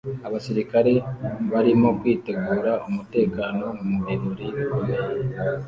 Abasirikare barimo kwitegura umutekano mu birori bikomeye